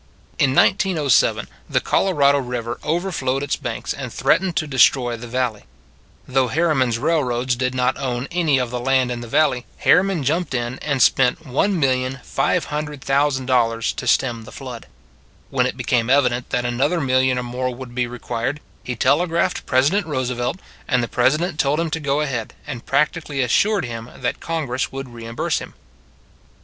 In 1907 the Colorado River overflowed its banks, and threatened to destroy the valley. Though Harriman s railroads did not own any of the land in the valley, Har riman jumped in and spent $1,500,000 to stem the flood. When it became evident that another million or more would be required, he tele graphed President Roosevelt, and the President told him to go ahead, and prac tically assured him that Congress would reimburse him.